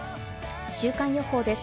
週間予報です。